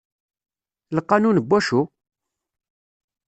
Lqanun n wacu?